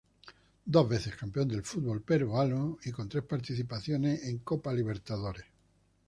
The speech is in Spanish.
Dos veces campeón del fútbol peruano y con tres participaciones en Copa Libertadores.